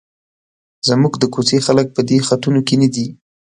زموږ د کوڅې خلک په دې خطونو کې نه دي.